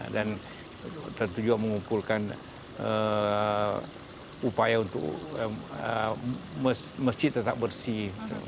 dan tertujuan mengumpulkan upaya untuk masjid tetap bersih